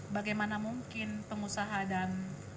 bagaimana mungkin pengusaha dan